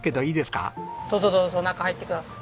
どうぞどうぞ中入ってください。